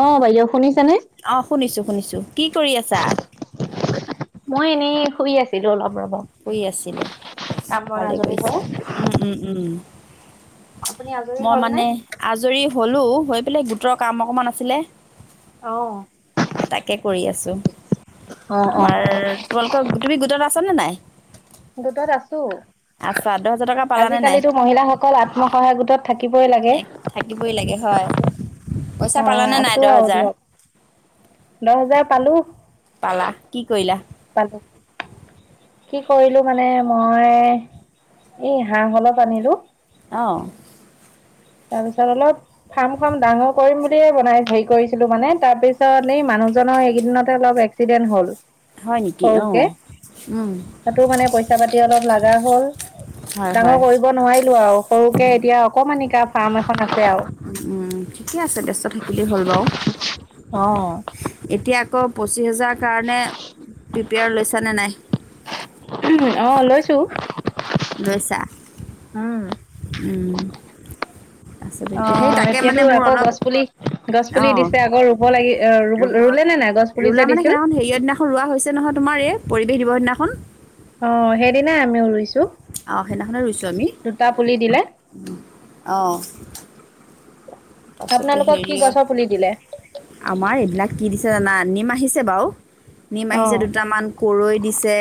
অঁ বাইদেউ। শুনিছেনে? অহ শুনিছো শুনিছো কি কৰি আছা। মই এনেই শুই আছিলো অলপ। ৰ'ব শুই আছিলোঁ। কাম বন ভালে আজৰি হৈ। কৰিছা, উম উম উম। আপুনি আজৰি মই হ'ল নে? মানে আজৰি হলো। হৈ পেলাই গোটৰ কাম অকমান আছিলে। অঁ। তাকে কৰি আছো। তোমাৰ - তোমালোকৰ - তুমি গোটত আ আছানে নাই? দুটত আছো। আছা দহ হাজাৰ টকা পালানে নাই আজিকালিতো মহিলাসকল আত্মসহায়ক গোটত থাকিবই লাগে। এক থাকিবই লাগে হয়। পইচা অ পালানে নাই আছো দহ আৰু হেজাৰ? দিয়ক। দহ হাজাৰ পালো পালা? কি কৰিলা? পালো কি কৰিলো মানে মই, এ হাঁহ অলপ আনিলোঁ। অহ। তাৰ পিছত, অলপ ফাৰ্ম খন ডাঙৰ কৰিম বুলিয়ে বনাই হেৰি কৰিছিলো মানে। তাৰ পিছত এই মানুহজনৰ এইকেইদিনতে অলপ এক্সিডেন্ট হল। হয় নেকি অ সৰুকে। উম তাতো মানে পইচা পাতি অলপ লাগা হ'ল। হয় ডাঙৰ হয় কৰিব নোৱাৰিলোঁ আও। সৰুকে এতিয়া অকণমানি উম, ঠিকে আছে। ব্যস্ত থাকিলেই হ'ল বাও। এতিয়া ত পঁচিছ হাজাৰ কাৰণে, পেয়াৰ লৈচা নে নাই? উমম্, অ লৈছোঁ। লৈছা। উম। অ এতিয়াতো আকৌ গছ পুলি গছ পুলি অঁ দিছে আকৌ ৰুব লাগি অ ৰুব ৰুলে নে নাই গছ পুলি ৰুলা যে মানে দিছিল? সেইদিনাখন হেৰিয়ৰ দিনাখন ৰোৱা হৈছে নহয় তোমাৰ এই পৰিৱেশ দিৱস সেইদিনাখন। অ', সেইদিনাই আমি ৰুইছোঁ। অঁ সেইদিনাখনে ৰুইছোঁ দুটা পুলি দিলে। অহ। আপোনালোকক কি গছৰ পুলি দিলে? আমাৰ এইবিলাক কি দিছে জানা? নিম আহিছে বাৰু', নিম অ আহিছে দুটামান কৰৈ দিছে।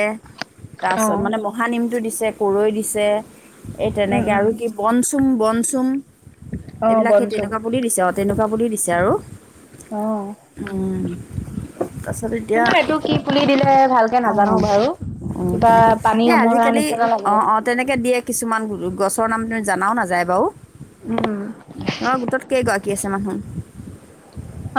অ তাৰপাছত মানে মহানিমটো দিছ- তে কৰৈ দিছে। এই উম তেনেকে উম আৰু কি বনচুম বনচুম। অ এইবিলাক সেই বনচুম তেনেকুৱা পুলি দিছত তেনেকুৱা বুলি দিছে আৰু। অ উম তাৰপাছত এতিয়া, মানে এইটো কি পুলি দিলে ভালকে নাজানো অহ বাৰু। অ' কিবা তেনেকে। পানী এ অমৰা আজিকালি নিচিনা লাগে অঁ অঁ তেনেকে দিয়ে কিছুমান [unintelligible] গছৰ নাম নে - জানাও নাযায় বাৰু। উম। [unintelligible] গোটত কেইগৰাকী আছে মানুহ?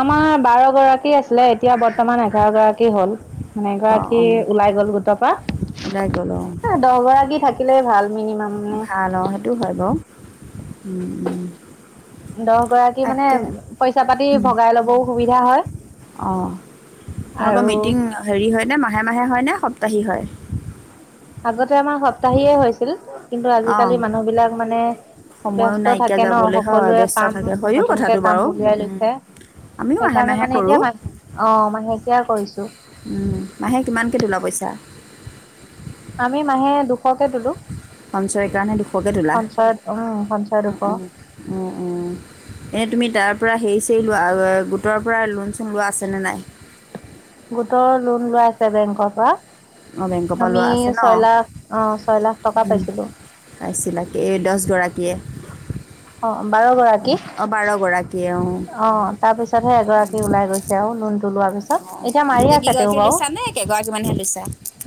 আমাৰ বাৰ গৰাকী আছিলে এতিয়া বৰ্তমান এঘাৰ গৰাকী হ'ল। মানে অঁ এগৰাকী অঁ ওলাই গল গোটৰ পৰা। ওলাই গ'ল অঁ এ‌হ দহ গৰাকী থাকিলেই ভাল মিনিমাম। মানে। ভাল অঁ সেইটো হয় বাৰু। উম উম। দহ গৰাকী মানে পইচা পাতি ভগাই লবও সুবিধা হয় অঁ আৰু এনে মাহে মাহে হয়নে সপ্তাহী হয়? আগতে আমাৰ সপ্তাহিয়ে হৈছিল। কিন্তু অঁ আজিকালি মানুহবিলাক মানে সময়ো ব্যস্ত নাইকিয়া থাকে ন'! যাবলৈ হয় সকলোৱে ব্যস্ত কাম থাকে - হয়ো নতুনকে কথাটো কাম বাৰু উলিয়াই লৈছে, আমিও মাহে সেইকাৰণে মাহে মানে কৰোঁ এতিয়া মা - অ' মাহে নাইকিয়া কৰিছোঁ। উম। মাহে কিমানকে তোলা পইচাঁ? আমি মাহে দুশকে তুলো। সঞ্চয় কাৰণে দুশকে তোলা উম সঞ্চয় উ দুশ। উম, উম উম, এই তুমি তাৰ পৰা হেৰি চৰি লোৱা, [unintelligible] গোটৰ পৰা লোন চোন লোৱা আছেনে নাই? গোটৰ লোন লোৱায়ে আছে বেংকৰ পৰা। অ' বেংকৰ পৰা লোৱা আমি আছে ছয় লাখ অ ছয় লাখ ন'? টকা উম পাইছিলোঁ [unintelligible] এই দচ গৰাকীয়ে। অ' বাৰ গৰাকী? অঁ বাৰগৰাকীয়ে অঁ অঁ তাৰ পিছতহে এগৰাকী ওলাই গৈছে। আৰু লোনটো লোৱাৰ পিছত। অঁ [unintelligible] এতিয়া মাৰি গোটেই আছে তেও কেইগৰাকীয়ে বাৰু। লৈছা নে কেইগৰাকীমানহে লৈছা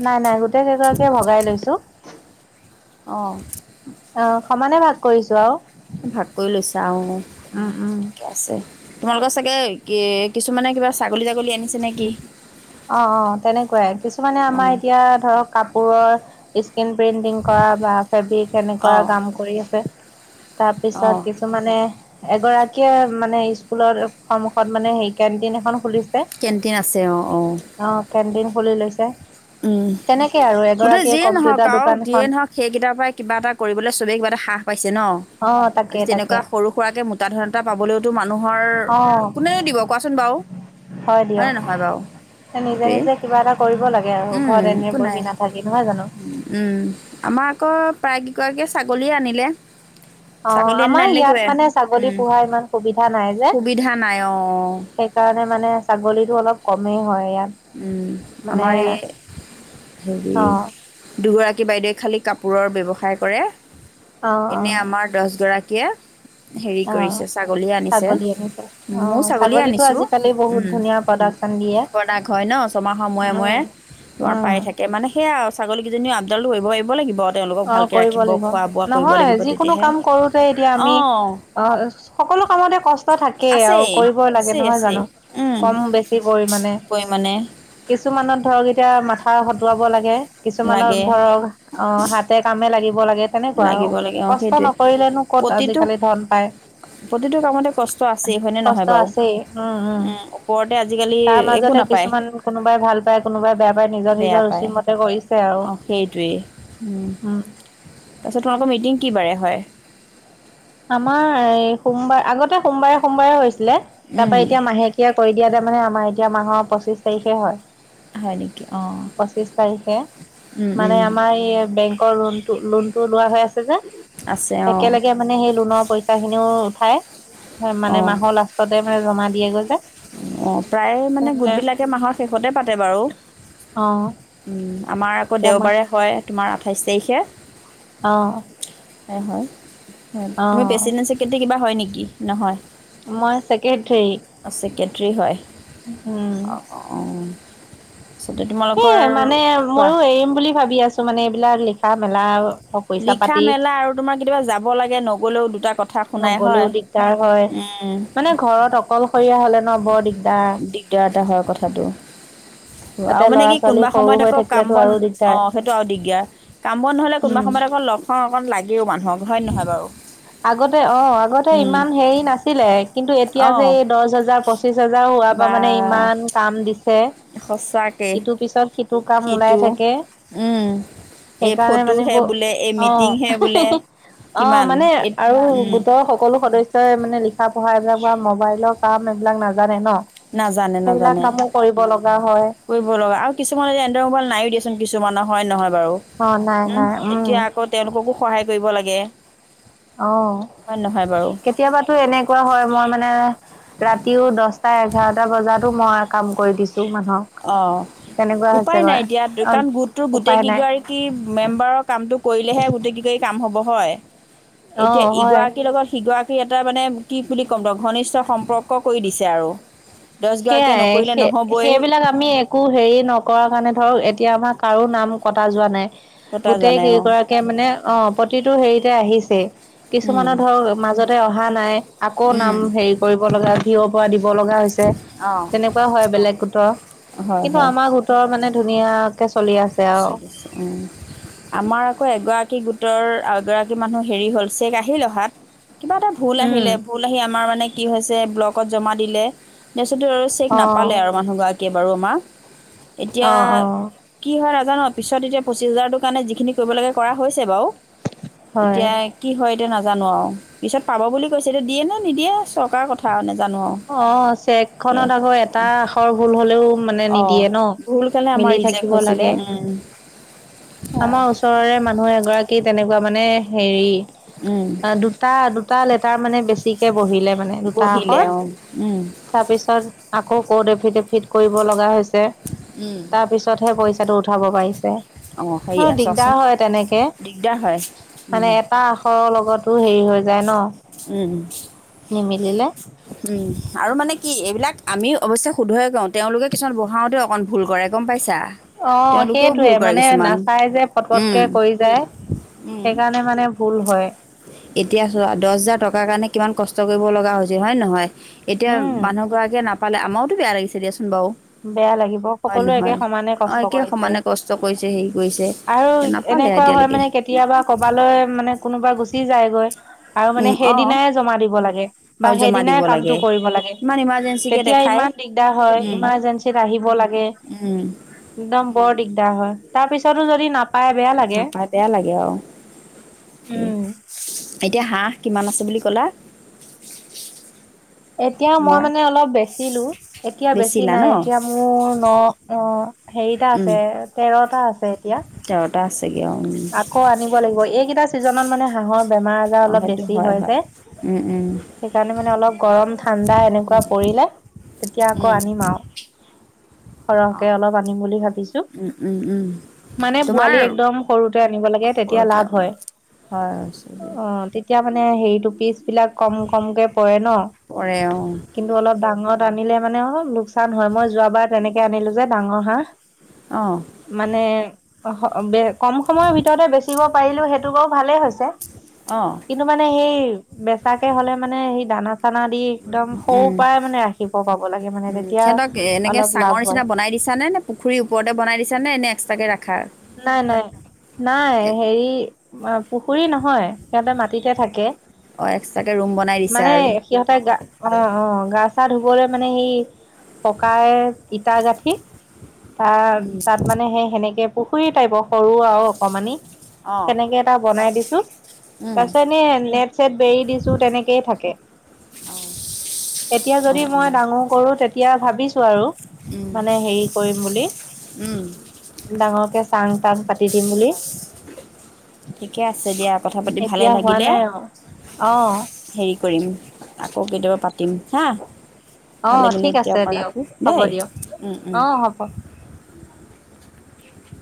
নাই নাই, গোটেই কেইগৰাকীয়ে ভগাই লৈছো। অঁ অ সমানে ভাগ কৰিছোঁ আৰু ভাগ কৰি লৈছা আহ উম উম তোমালোকৰ চাগে কি কিছুমানে কিবা ছাগলী ছাগলী আনিছে নেকি অঁ অঁ তেনেকুৱাই কিছুমানে অঁ আমাৰ এতিয়া ধৰক কাপোৰৰ ই প্ৰিন্টিং কৰা বা ফেব্ৰিক এনেকুৱা অঁ কাম কৰি আছে অঁ তাৰপিছত কিছুমানে এগৰাকীয়ে মানে স্কুলৰ সন্মুখত মানে সেই কেন্টিন এখন খুলিছে কেন্টিন আছে অঁ অঁ কেন্টিন খুলি লৈছে উম তেনেকে আৰু গোটেই এগৰাকীয়ে যিয়ে নহওঁক কম্পিউটাৰ আৰু দোকান দিয়ে এখন নহওঁক সেইকেইটাৰ পৰাই কিবা এটা কৰিবলৈ চবেই কিবা এটা হাহ পাইছে ন অ তাকে আজি তাকে তেনেকুৱা সৰু সুৰাকে মোটাধনএটা পাবলৈওতো মানুহৰ অ কোনেনো দিব কোৱাচোন বাৰু হয় হয়নে দিয়ক নহয় বাৰু নিজে সেইটোৱে নিজে কিবা এটা কৰিব লাগে আৰু ঘৰত উম এনে একো বহি নাই নাথাকি নহয় জানো উম আমাৰ আকৌ প্ৰায় গৰাকী ছাগলীয়ে আনিলে অঁ ছাগলী আনিলে আমাৰ আনিলে ইয়াত কিবা মানে ছাগলী উম, পোহাৰ ইমান সুবিধা নাই যে সুবিধা নাই অঁ সেইকাৰণে মানে ছাগলী টো অলপ কমেই হয় ইয়াত উম মানে আমাৰ এই হেৰি অ দুগৰাকী বাইদেৱে খালী কাপোৰৰ ব্যৱসায় কৰে এনে আমাৰ দহ গৰাকী দিয়ে অঁ ছাগলী আনিছে ময়ো আহ ছাগলী ছাগলীতটো আনিছোঁ আজিকালি বহুত ধুনীয়া প্ৰডাকশচন দিয়ে তাক হয় ন ছমাহৰ মূৰে মূৰে উম তোমাৰ পাই উম থাকে মানে সেয়া আৰু ছাগলীকেইজনী আপডাল ধৰিব কৰিব পাৰিব লাগিব তেওঁলোকক অ ভালকৈ কৰিব ৰাখিব লাগিব খোৱা বোৱা কৰিব নহয় লাগিব যিকোনো তেতিয়াহে কাম কৰোঁতে এতিয়া আমি অঁ অ সকলো কামতে কষ্ট থাকেই আৰু আছেই কৰিবই লাগে আছেই নহয় আছেই জানো কম বেছি পৰিমাণে পৰিমাণে কিছুমানত ধৰক এতিয়া মাথা মাথা খতুৱাব লাগে কিছুমানৰ লাগে ধৰক অঁ হাত নেলাগিব লাগে তেনেকুৱা আৰু লাগিব লাগে অঁ কষ্ট সেইটোৱে নকৰিলেনো ক'ত প্ৰতিটো আজিকালি ধন পায় প্ৰতিটো কামতে কষ্ট আছেই হয়নে নহয় কষ্ট বাৰু আছে উম উম ওপৰতে আজিকালি তাৰ একো মাজতে নাপায় কিছুমান কোনোবাই ভাল পায় কোনোবাই বেয়া পায় নিজৰ বেয়া নিজৰ পায় ৰুচি মতে কৰিছে আৰু উম। তাৰ পাছত, তোমালোকৰ মিটিং কি বাৰে হয়। তাৰে। আমাৰ এই সোমবাৰ আগতে সোমবাৰে - সোমবাৰে হৈছে। তাৰ পৰা এতিয়া মাহেকীয়া কৰি। এতিয়া তাৰমানে আমাৰ এতিয়া মাহৰ পঁচিশ তাৰিখে হয়। হয় নেকি অঁ পচিশ তাৰিখে উম, মানে উম, আমাৰ এই, বেংকৰ লোনটো লোনতটো লোৱা হৈ আছে যে আছে অঁ একেলগে। মানে সেই লোনৰ পইচাঁ খিনিও। ঠাই। হয় মানে অঁ মাহৰ লাষ্টতে মানে জমা দিয়েগৈ যে। অঁ, প্ৰায় মানে গোটবিলাকে মাহৰ শেষতে পাতে বাৰু অ আমাৰ আকৌ এতিয়া মই দেওবাৰে হয় তোমাৰ আঠাইছ। তাৰিখে। আঁহ। হয়। তুমি পেচিেঞ্চ কেতিয়া কিবা। হয় নেকি, নহয়। মই চছেক্ৰেটাৰী। ত্ৰী হয় [inaudible] আহ, অ। সে মানে, কোৱা ময়ো এৰিম বুলি ভাবি আছো মানে। এইবলাক লিখা মেলা। পইচা লিখা পাতি মেলা আৰু তোমাৰ কেতিয়াবা যাব লাগে নগলেও। কথা শুনাই হয় নগলেও দিগদাৰ হয়, উম, মানে ঘৰত অকলশৰীয়া হলে ন বৰ দিগদাৰ। দিগদাৰ হয় কথাটো। আৰু তাতে মানে ল'ৰা কি ছোৱালী কোনোবা সৰু সময়ত হৈ আকৌ কাম থাকিলেতো বন আৰু অ দিগদাৰ। সেইটো আৰু দিগদাৰ কাম বন নহলে কোনোবা। উম সমমৰ এক লোক। লাগেও মানুহক হয় নহয় বাৰু। আগতে অ, আগতে উম, ইমান হেৰি নাছিলে কিন্তু এতিয়া যে অঁ এই দহ হোজাৰ পচিশ হোজাৰ হোৱাৰ পৰা বা মানে ইমান কাম দিছিল। সঁচাকৈ ইটোৰ পিছত সিটো। তোৰ কাম ওলাই সিটো থাকে, উম, এই সেইকাৰণে মানে ব ফটোহে বোলে এই অ মিটিংহে বোলে অ কিমান মানে। এই আৰু উম, গোটৰ সকলো সদস্যই মানে লিখা পঢ়া এইবিলাক বা মোবাইলৰ কাম এইবিলাক নাজানে ন। নাজানে সেইবিলাক -নাজানে কামো কৰিব লগা হয় কৰিব লগা আৰু কিছুমানে এণ্ড্ৰইড মোবাইল নায়য়ো দিয়াচোন কিছুমানৰ। হয় নহয়। বাৰু অ নাই হম নাই এতিয়া উম আকৌ তেওঁলোককো সহায় কৰিব লাগে। অহ, হয় নহয় বাৰু কেতিয়াবাতো এনেকুৱা হয় মই মানে ৰাতিও দচ চাৰে এঘাৰটা বজাতো মই কাম কৰি দিছো। মানুহক। অহ, তেনেকুৱা উপায় নাই হৈছেগৈ এতিয়া অ', কাৰণ গোটটোৰ গোটেই উপায় নাই কেইগৰাকী মেম্বাৰৰ কামটো কৰিলেহে গোটেই কেইগৰাকীৰ কাম হ'ব। হয়। এতিয়া অ', হয়। ইগৰাকীৰ লগত সিগৰাকী সি এটা মানে কি বুলি কম ৰ ঘনিষ্ঠ সম্পৰ্ক কৰি দিছে আৰু। দহগৰাকীয়ে সেইয়াই নকৰিলে সেই নহ'বই -সেইবিলাক আমি একো হেৰি নকৰাৰ কাৰণে ধৰক এতিয়া আমাৰ কাৰো নাম কটা যোৱা নাই। কটা যোৱা গোটেই নাই কেই অঁ গৰাকীয়ে মানে অহ প্ৰতিটো হেৰিতে আহিছে কিছুমানৰ ধৰক মাজত তাই অহা নাই। আকৌ নাম হেৰি কৰিব লগা ভিৱ পা দিব। বৰ লগা হৈছে। তেনেকুৱা হয় বেলেগ গোটৰ অঁ কিন্তু আমাৰ গোটৰ মানে ধুনীয়াকে চলি আছে আৰু। চলিছে উম আমাৰ আকৌ এগৰাক গোটৰ এগৰাকী মানুহ হেৰি হল চেক আহি অহাত। কিবা এটা ভুল উম। আহিলে ভুল আহি আমাৰ মানে কি হৈছে ব্লকত জমা দিলে। তাৰপিছত আৰু চেক অ', নাপালে আৰু মানুহগৰাকীয়ে বাৰু। আমাৰ। এতিয়া অহ - অহ কি হয় নাজানো পিছত এতিয়া পঁচিছ হাজাৰটোৰ কাৰণে যিখিনি কৰিব লগে কৰা হৈছে বাৰু। হয়। এতিয়া কি হয় এতিয়া নাজানো আৰু পিছত পাব বুলি কৈছে এতিয়া দিয়ে নে নিদিয়ে চব অহ, চেক খনত সেয়াই আকৌ এটা আখৰ ভুল হলেও মানে অঁ নিদিয়ে ন ভুল কাৰণে আমাৰ মিলি ৰিজেক্ট থাকিব হৈছিলে লাগে সেয়া আৰু আমাৰ ওচৰৰে মানুহ এগৰাকী কি তেনেকুৱা মানে হেৰি অঁ দুটা দুটা লেটাৰ মানে। বেছিকৈ বহিলে মানে। বহিলে তাসৰ অঁ উম তাৰপিছত আকৌ কৌট এ ফিট এ ফিট কৰিব লগা হৈছে উম তাৰ পিছতহে পইচাটো উঠাব পাৰি আছে অঁ আৰু সেয়া দিগদাৰ চোৱাচোন হয় তেনেকে দিগদাৰ হয় উম মানে এটা আখৰৰ লগতো হেৰি হৈায় যায় ন উম নিমিলিলে উম আৰু মানে কি এইবিলাক আমি অৱশ্যে শুধহে কওঁ তেওঁলোকে কিছুমান বঢ়াওঁতে অকণ ভুল কৰে গম পাইছা অঁ তেওঁলোকেও সেইটোৱে ভুল কৰে মানে কিছুমান নাচাই যে ফট পটকে উম কৰি যায় সেইকাৰণে মানে ভুল হয় এতিয়া চ দহ হাজাৰ টকাৰ কাৰণে কিমান কষ্ট কষ্ট কৰিব লগা হৈছে হয় নহয়। এতিয়া উম মানুহ গৰাকে নাপ পাল আমাৰো তৌ বেয়া লাগিছে বাৰু বেয়া লাগিব হয় সকলোৱে একে নহয় সমানে অঁ কষ্ট একে কৰিছে সমানে কষ্ট কৰিছে হেৰি কৰিছে আৰু নাপালে এনেকুৱা হয় এতিয়ালৈকে মানে কেতিয়াবা কবালৈ মানে কোনোবা গুচ। যায়গৈ আৰু মানে অঁ সেইদিনাই জমা দিব লাগে বা আৰু জমা সেইদিনাই দিব লাগে কামটো কৰিব লাগে ইমান ইমাৰ্জেঞ্চিকে তেতিয়া দেখায় ইমান দিগদাৰ হয়। উম ইমাৰজেঞ্চিত আহিব লাগে উম একদম বৰ দিগদাৰ হয়। তাৰ পিছতো যদি ন। পাই বেয়া লাগে নাপায় বেয়া লাগে আৰু উম। এতিয়া হাঁহ কিমান আছে বুলি ক'লা? এতিয়া মই তোমাৰ মানে অলপ বেচিলো এতিয়া বেছি বেচিলা ন নাই এতিয়া মোৰ ন অ হেৰিটা উম আছে তেৰটা আছে। এতিয়া তেৰটা আছেগৈ অঁ আকৌ আনিব লাগিব এইকেইটা চিজনত মানে হাঁহৰ বেমাৰ আজাৰ অলপ বেছি হয় যে সেইকাৰণে মানে অলপ গৰম ঠাণ্ডা এনেকুৱা পৰিলে তেতিয়া আকৌ আনিম আৰু। অঁ সৰহকে অলপ আনিম বুলি ভাবিছো উম, উম, উম, মানে তোমাৰ পোৱালি একদম। সৰুতে আনিব লাগে তেতিয়াই লাভ হয় উম হয়। এতিয়া মানে হেৰিটো পিচ এই বিলিলাক কম কমকে পৰে পৰে অ', ন কিন্তু অলপ ডাঙৰ আনিলে মানে অ লোকচান হয় মই যোৱাবাৰ তেনেকে আনিলো যে ডাঙৰ হাঁহ অ', মানে অহ বেগ কম সময়ৰ ভিতৰতে বেচিব পাৰিলো সেইটো বাৰু ভালে হৈছে অ', কিন্তু মানে সেই বেচাকে হ'লে মানে সেই দানা চানা দি একদম সৰুৰ উম পৰাই মানে ৰাখিব পাব লাগে মানে উ তেতিয়া সিহঁতক এনেকে অলপ লাভ চাঙৰ হয় নিচিনা বনাই দিছা নে নে পুখুৰীৰ ওপৰতে বনাই দিছা নে, নে এক্সট্ৰাকে ৰাখি নাই নাই নাই এক- হেৰি পুখুৰী নহয় হয় সিহঁতে মাটিতে থাকে অ', এক্সট্ৰাকে ৰুম বনাই দিছা মানে আৰু সিহঁতে গা অঁ অঁ গা গা ধুবলে মানে সেই পকাই ইটা গাঁঠি তাৰ উম, তাত মানে সেই সেনেকে পুখুৰী টাইপ সৰু আৰু অকমানি অ', সেনেকে এটা বনাই দিছোঁ উম, তাৰ পিছত এনে নেট চেট বেৰি দিছো তেনেকেই থাকে এতিয়া যদি অ', অ', মই ডাঙৰ কৰোঁ তেতিয়া এতিয়া ভাবিছোঁ আৰু উম, মানে হেৰি কৰিম বুলি উম, ডাঙৰকে চাং টাং পাতি দিম বুলি ঠিকে আছে দিয়া কথা পাতি ভালে এতিয়া হোৱা লাগিলে নাই আৰু। অ', হেৰি কৰিম আকৌ কেতিয়াবা পাতিম হা ভাল অঁ লাগিলে ঠিক এতিয়া আছে অকণ দিয়ক ৰাখোঁ হ'ব দেই দিয়ক উম, উম। অ হ'ব